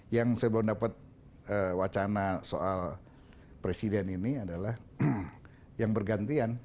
yang saya belum dapat wacana soal presiden ini adalah yang bergantian